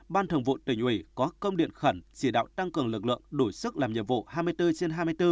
ban thường vụ tỉnh ủy có công điện khẩn chỉ đạo tăng cường lực lượng đủ sức làm nhiệm vụ hai mươi bốn trên hai mươi bốn